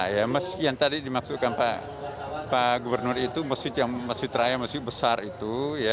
yang tadi dimaksudkan pak gubernur itu masjid yang masih teraya masjid besar itu